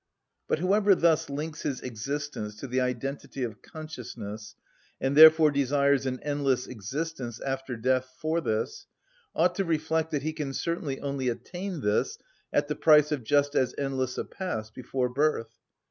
But whoever thus links his existence to the identity of consciousness, and therefore desires an endless existence after death for this, ought to reflect that he can certainly only attain this at the price of just as endless a past before birth.